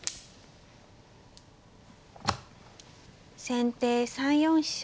先手３四飛車。